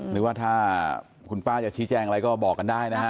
หรือว่าถ้าคุณป้าจะชี้แจ้งอะไรก็บอกกันได้นะฮะ